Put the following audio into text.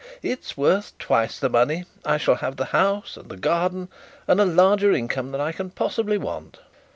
'It's worth twice the money. I shall have the house and the garden, and a larger income than I can possibly want.'